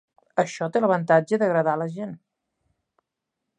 Això té l'avantatge d'agradar a la gent.